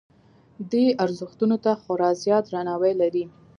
دې ارزښتونو ته خورا زیات درناوی لري.